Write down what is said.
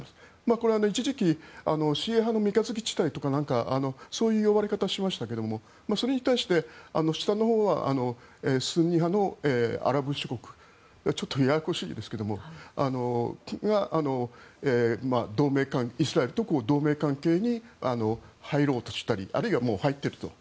これは一時期シーア派の三日月地帯とかそういう呼ばれ方をしましたがそれに対して下のほうはスンニ派のアラブ諸国ちょっとややこしいですがイスラエルと同盟関係に入ろうとしたりあるいはもう入っていると。